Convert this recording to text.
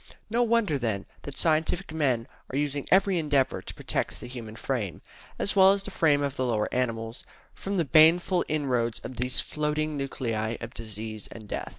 No wonder, then, that scientific men are using every endeavour to protect the human frame, as well as the frame of the lower animals, from the baneful inroads of these floating nuclei of disease and death.